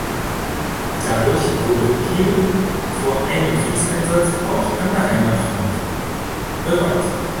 Dadurch wurde Piel vor einem Kriegseinsatz, auch an der Heimatfront, bewahrt.